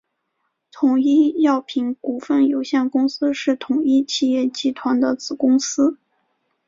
统一药品股份有限公司是统一企业集团的子公司。